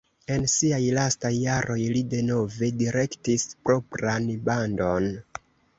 En siaj lastaj jaroj li denove direktis propran bandon.